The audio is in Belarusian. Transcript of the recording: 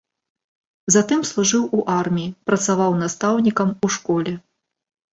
Затым служыў у арміі, працаваў настаўнікам у школе.